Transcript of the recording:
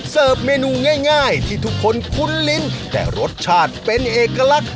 เมนูง่ายที่ทุกคนคุ้นลิ้นแต่รสชาติเป็นเอกลักษณ